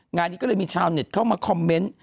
งานนี้ก็เลยมีชาวเน็ตเข้ามาคอมเมนต์